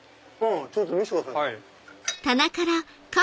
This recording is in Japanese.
ちょっと見せてください。